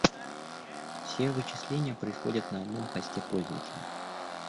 Все вычисления происходят на одном хосте пользователя